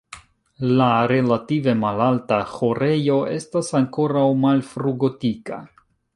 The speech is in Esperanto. La relative malalta ĥorejo estas ankoraŭ malfrugotika.